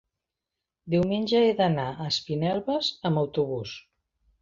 diumenge he d'anar a Espinelves amb autobús.